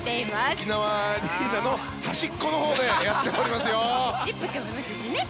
沖縄アリーナの端っこのほうでやっております。